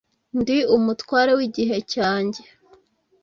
Ndi umutware wigihe cyanjye